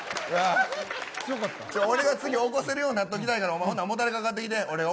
俺が次、起こせるようになっときたいからもたれかかってきて。